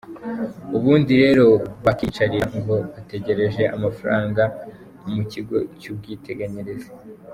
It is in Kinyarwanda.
Ubundi rero bakiyicarira ngo batagereje amafaranga mu Ikigo cy’Ubwiteganyirize.